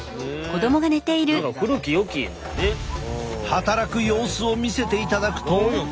働く様子を見せていただくと。